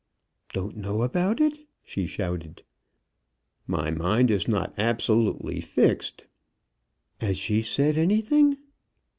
"Don't know about it!" she shouted. "My mind is not absolutely fixed." "'As she said anything?"